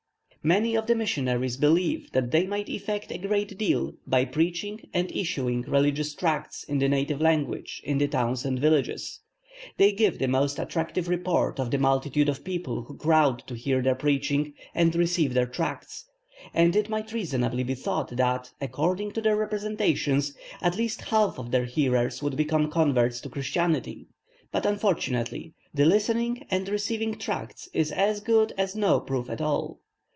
Many of the missionaries believe that they might effect a great deal by preaching and issuing religious tracts in the native language in the towns and villages. They give the most attractive report of the multitude of people who crowd to hear their preaching and receive their tracts, and it might reasonably be thought that, according to their representations, at least half of their hearers would become converts to Christianity; but unfortunately the listening and receiving tracts is as good as no proof at all.